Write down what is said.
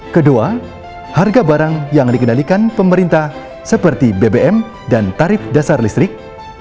kedua harga barang yang dikendalikan pemerintah seperti bbm dan tarif dasar listrik